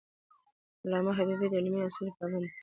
علامه حبیبي د علمي اصولو پابند و.